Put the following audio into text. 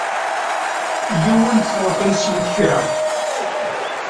Yya-w ad neffɣet ad neswet kra.